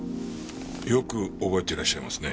よく覚えてらっしゃいますね。